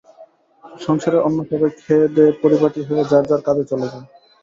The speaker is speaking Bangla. সংসারের অন্য সবাই খেয়েদেয়ে পরিপাটি হয়ে যার যার কাজে চলে যায়।